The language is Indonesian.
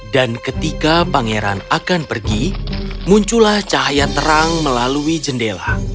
dan ketika pangeran akan pergi muncullah cahaya terang melalui jendela